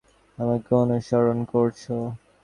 আমাকে অনুসরণ করছো?